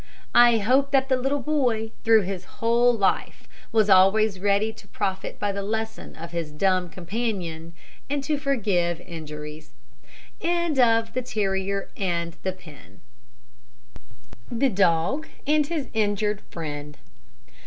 I hope that the little boy, through his whole life, was always ready to profit by the lesson of his dumb companion and to forgive injuries. THE DOG AND HIS INJURED FRIEND.